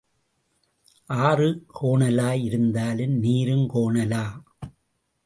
ஆறு கோணலாய் இருந்தாலும் நீரும் கோணலோ?